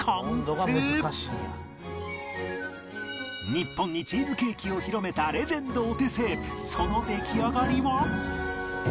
日本にチーズケーキを広めたレジェンドお手製その出来上がりは？